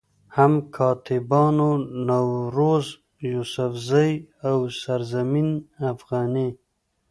هم کاتبانو نوروز يوسفزئ، او سرزمين افغاني